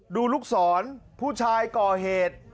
ลูกศรผู้ชายก่อเหตุ